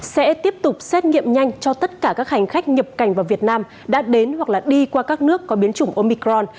sẽ tiếp tục xét nghiệm nhanh cho tất cả các hành khách nhập cảnh vào việt nam đã đến hoặc đi qua các nước có biến chủng omicron